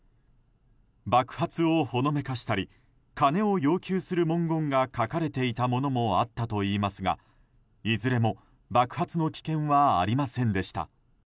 爆発をほのめかしたり金を要求する文言が書かれていたものもあったといいますがいずれも爆発の危険はありませんでした。